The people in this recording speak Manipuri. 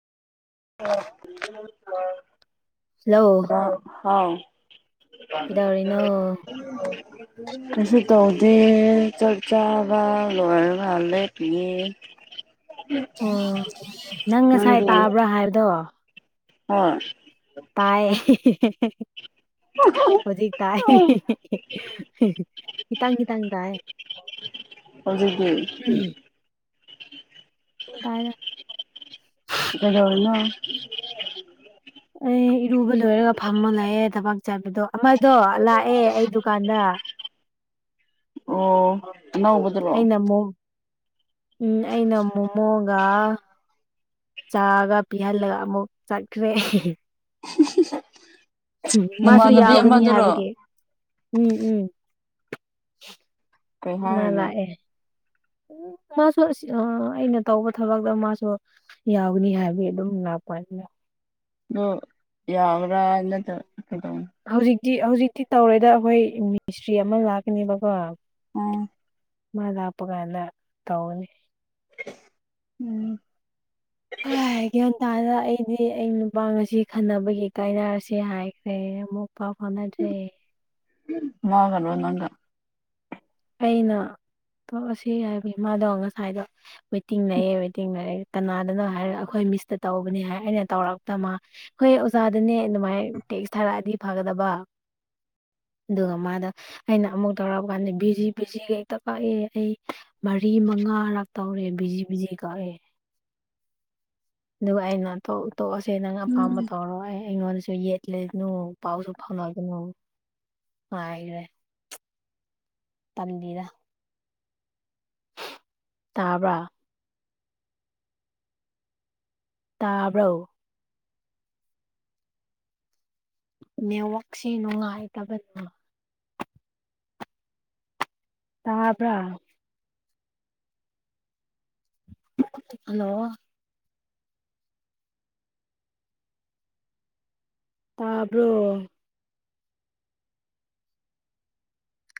ꯑꯣ ꯍꯜꯂꯣ ꯑ ꯑꯥꯎ ꯀꯩꯗꯧꯔꯤꯅꯣ ꯀꯁꯁꯨ ꯇꯧꯗꯤ ꯆꯞꯆꯥꯥꯕꯥ ꯔ ꯍꯥꯜ ꯂꯩ ꯐꯦ ꯑꯣ ꯅꯪ ꯉꯁꯥꯏ ꯇꯥꯕ꯭ꯔꯥ ꯍꯥꯏꯕꯗꯣ ꯍ ꯇꯥꯏ ꯍꯧꯖꯤꯛ ꯇꯥꯏ ꯏꯈꯤꯇꯥꯡ ꯏꯈꯤꯇꯥꯡ ꯇꯥꯏ ꯍꯧꯖꯤꯗꯤ ꯎꯝ ꯎ ꯇꯑ ꯗꯧꯅ ꯑꯩ ꯏꯔꯨꯕ ꯂꯣꯏꯔꯒ ꯐꯝꯃ ꯂꯥꯛꯑꯦ ꯊꯕꯥꯛ ꯆꯠꯕꯗꯣ ꯑꯃꯗꯣ ꯂꯥꯛꯑꯦ ꯑꯩ ꯗꯨꯀꯥꯟꯗ ꯑꯣ ꯅ ꯑꯩꯅꯃꯣ ꯎꯝ ꯑꯩꯅꯃꯣ ꯃꯣꯒ ꯆꯥꯒ ꯄꯤꯍꯜꯂꯒ ꯑꯃꯨꯛ ꯆꯠꯈ꯭ꯔꯦ ꯎꯝ ꯃꯥꯁꯨ ꯅꯃꯥꯟꯅꯕꯤ ꯌꯥꯎꯒꯅꯤ ꯑꯃꯗꯨꯔꯣ ꯍꯥꯏꯕꯒꯤ ꯎꯝ ꯎꯝ ꯀꯩ ꯃꯥ ꯍꯥꯏꯔꯒꯦ ꯂꯥꯛ ꯑꯦ ꯃꯥꯁꯨ ꯑ ꯑꯩꯅ ꯇꯧꯕ ꯊꯕꯛꯇ ꯃꯥꯁꯨ ꯌꯥꯎꯅꯤ ꯍꯥꯏꯕꯒꯤ ꯑꯗꯨꯝ ꯂꯥꯛꯄꯅꯤ ꯑꯗꯨꯣ ꯌꯥꯎ꯭ꯔꯅ ꯇ ꯍꯧꯖꯤꯛꯇꯤ ꯍꯧꯖꯤꯛꯇꯤ ꯇꯧꯔꯦꯗ ꯑꯩꯈꯣꯏ ꯃꯤꯁꯇ꯭ꯔꯤ ꯑꯃ ꯂꯥꯛꯀꯅꯦꯕꯀꯣ ꯎꯝ ꯃꯥ ꯂꯥꯞꯄ ꯀꯥꯟꯗ ꯇꯧꯅꯤ ꯎꯝ ꯑ ꯍꯦꯦ ꯑꯣ ꯑꯩꯗꯤ ꯑꯩ ꯅꯨꯄꯥ ꯉꯁꯤ ꯈꯟꯅꯕꯒꯤ ꯀꯥꯏꯅꯔꯁꯦ ꯍꯥꯏꯈ꯭ꯔꯦ ꯑꯃꯨꯛ ꯄ ꯐꯥꯎꯅꯗ꯭ꯔꯦꯌꯦ ꯃꯥꯒꯕ ꯅꯒ ꯑꯩꯅ ꯇꯣꯛꯑꯁꯤ ꯍꯥꯏꯕ ꯏꯃꯥꯗꯣ ꯉꯁꯥꯏꯗꯣ ꯋꯦꯇꯤꯡ ꯂꯩꯌꯦꯦ ꯋꯦꯇꯤꯡ ꯂꯩꯔꯦ ꯀꯅꯥꯗꯅ ꯍꯥꯏꯔ ꯑꯩꯈꯣꯏ ꯃꯤꯁꯇ ꯇꯧꯕꯅꯤ ꯍꯥꯏ ꯑꯩꯅ ꯇꯧꯔꯛꯇꯃ ꯍꯣꯏ ꯑꯣꯖꯥꯗꯅꯦ ꯑꯗꯨꯃꯥꯏꯅ ꯇꯦꯛꯁ ꯊꯥꯔꯛꯑꯗꯤ ꯐꯒꯗꯕ ꯑꯗꯨꯒ ꯃꯥꯗ ꯑꯩꯅ ꯑꯃꯨꯛ ꯇꯧꯔꯛꯑ ꯀꯥꯟꯗ ꯕꯤ ꯕꯤꯖꯤ ꯕꯤꯖꯤ ꯍꯦꯛꯇ ꯀꯛꯑꯦ ꯑꯩ ꯃꯔꯤ ꯃꯉꯥꯔꯥꯛ ꯇꯧꯔꯦ ꯕꯤꯖꯤ ꯕꯤꯖꯤ ꯀꯛꯑꯦ ꯗꯨꯕꯥꯥꯏ ꯅ ꯇ ꯇꯣꯛꯑꯁꯦ ꯅꯪ ꯎꯝ ꯑꯄꯥꯝꯕ ꯇꯧꯔꯣ ꯑꯩ ꯑꯩꯉꯣꯟꯗꯁꯨ ꯌꯦꯠ ꯂꯩꯒꯅꯨ ꯄꯥꯎꯁꯨ ꯐꯥꯎꯅꯒꯅꯨ ꯍꯥꯏꯈꯔꯦ ꯇꯜꯂꯤꯤꯗ ꯇꯥꯕ꯭ꯔ ꯇꯥꯕ꯭ꯔꯣ ꯅꯦꯠꯋꯥꯛꯁꯤ ꯅꯨꯡꯉꯥꯏꯇꯕꯅꯤꯅ ꯇꯥꯕ꯭ꯔ ꯍꯜꯂꯣ ꯇꯥꯔꯕꯣ